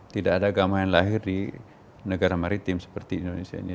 tidak ada agama yang lahir di negara maritim seperti indonesia ini